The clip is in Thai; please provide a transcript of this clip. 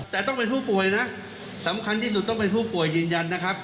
แต่ต้องเป็นผู้ป่วยนะสำคัญที่สุดต้องเป็นผู้ป่วยยืนยันนะครับ